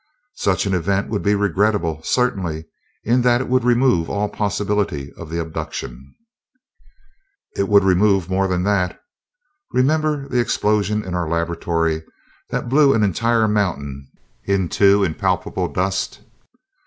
"Such an event would be regrettable, certainly, in that it would remove all possibility of the abduction." "It would remove more than that. Remember the explosion in our laboratory, that blew an entire mountain into impalpable dust?